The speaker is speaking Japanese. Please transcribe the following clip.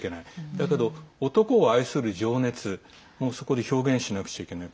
だけど、男を愛する情熱もそこで表現しなくちゃいけない。